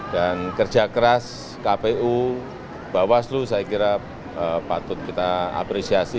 dan kerja keras kpu bawaslu saya kira patut kita apresiasi